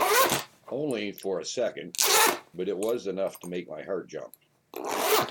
Only for a second, but it was enough to make my heart jump.